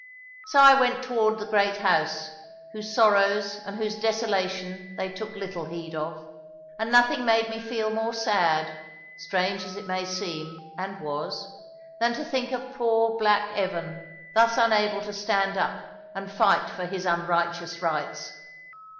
So I went toward the great house, whose sorrows and whose desolation they took little heed of. And nothing made me feel more sad strange as it may seem, and was than to think of poor black Evan, thus unable to stand up and fight for his unrighteous rights.